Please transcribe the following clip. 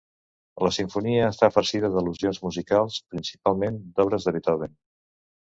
La simfonia està farcida d'al·lusions musicals, principalment d'obres de Beethoven.